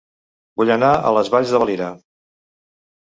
Vull anar a Les Valls de Valira